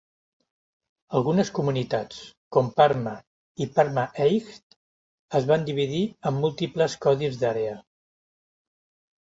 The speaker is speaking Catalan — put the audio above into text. Algunes comunitats, com Parma i Parma Heights, es van dividir en múltiples codis d'àrea.